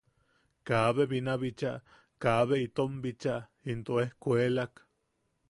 Kaabe binabicha... kaabe omot bicha into ejkuelak.